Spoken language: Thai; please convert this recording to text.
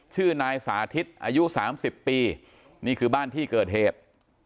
ชื่อนายสาธิตอายุ๓๐ปีนี่คือบ้านที่เกิดเหตุ